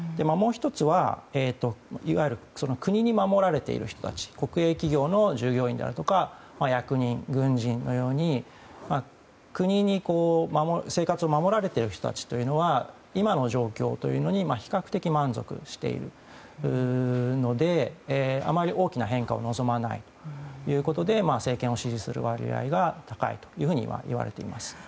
もう１つは、いわゆる国に守られている人たち国営企業の従業員であるとか役人、軍人のように国に生活を守られている人たちというのは今の状況というのに比較的満足しているのであまり大きな変化を望まないということで政権を支持する割合が高いとは言われています。